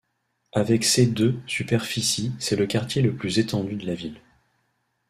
Avec ses de superficie, c’est le quartier le plus étendu de la ville.